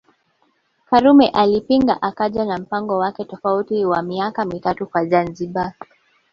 Karume alipinga akaja na mpango wake tofauti wa miaka mitatu kwa Zanzibar